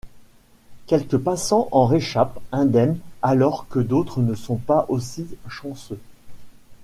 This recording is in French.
Quelques passants en réchappent indemnes alors que d'autres ne sont pas aussi chanceux.